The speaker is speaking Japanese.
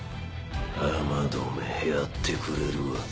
アマドめやってくれるわ。